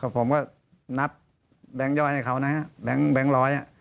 ผมก็นับแบงค์ย่อยให้เขานะฮะแบงค์ร้อย